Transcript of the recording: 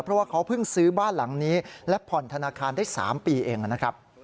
เพราะว่าเขาเพิ่งซื้อบ้านหลังนี้และผ่อนธนาคารได้๓ปีเองนะครับ